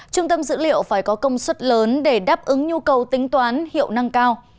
trung tâm dữ liệu phải có công suất lớn để đáp ứng nhu cầu tính toán hiệu năng cao